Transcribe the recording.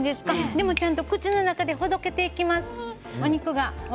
でもちゃんと口の中でほどけていきます、お肉が。